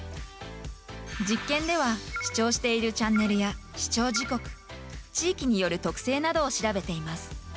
実験では視聴しているチャンネルや視聴時刻、地域による特性などを調べています。